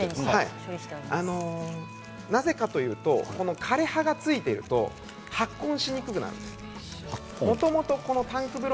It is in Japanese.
なぜかというと枯れ葉がついていると発根しにくくなるんです。